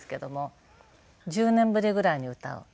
１０年ぶりぐらいに歌う？